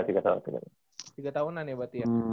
tiga tahunan ya berarti ya